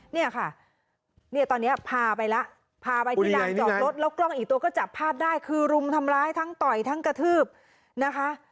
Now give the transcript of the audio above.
เนี่ยค่ะเนี่ยตอนนี้พาไปแล้วพาไปที่ด่านจอดรถแล้วกล้องอีกตัวก็จับภาพได้คือรุมทำร้ายทั้งต่อยทั้งกระทืบนะคะ